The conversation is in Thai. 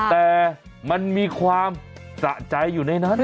แต่มันมีความสะใจอยู่ในนั้น